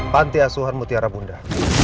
pantiasuhan mutiara bunda